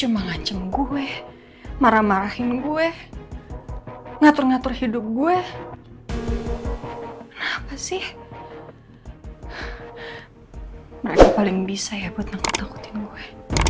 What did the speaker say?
mereka paling bisa ya buat nangkut nangkutin gue